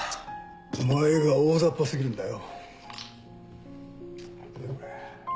お前が大ざっぱ過ぎるんだよ。